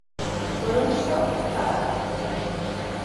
Por un só, paga a pena.